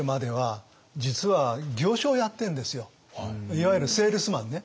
いわゆるセールスマンね。